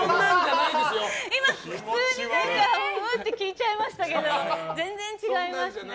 今、普通に聞いちゃいましたけど全然違いますね。